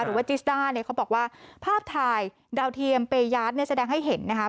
หรือว่าจิสด้าเนี่ยเขาบอกว่าภาพถ่ายดาวเทียมเปญยาทเนี่ยแสดงให้เห็นนะคะ